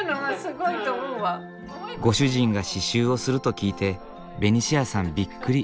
ご主人が刺しゅうをすると聞いてベニシアさんびっくり。